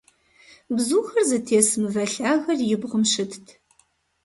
Бзухэр зытес мывэ лъагэр и бгъум щытт.